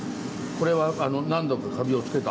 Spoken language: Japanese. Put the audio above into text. これは何度かカビをつけた。